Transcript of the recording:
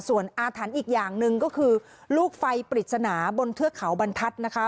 ส่วนอาถรรพ์อีกอย่างหนึ่งก็คือลูกไฟปริศนาบนเทือกเขาบรรทัศน์นะคะ